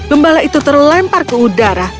gembala itu terlempar ke udara